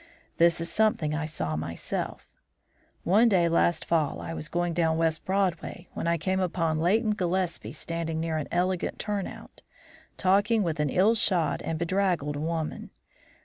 This is something I saw myself: One day last fall I was going down West Broadway when I came upon Leighton Gillespie standing near an elegant turnout, talking with an ill shod and bedraggled woman.